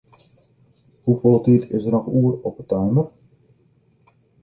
Hoefolle tiid is der noch oer op 'e timer?